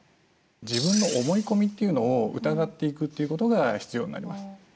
自分の思い込みっていうのを疑っていくということが必要になります。